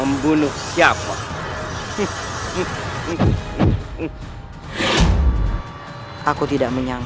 masuklah ke dalam